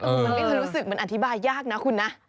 มันไม่เคยรู้สึกมันอธิบายยากนะคุณนะ